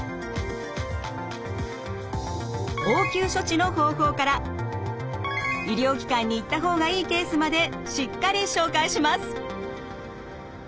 応急処置の方法から医療機関に行った方がいいケースまでしっかり紹介します！